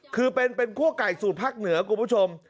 คือเป็นคั่วไก่สูตรภาคเหนือคุณผู้ชม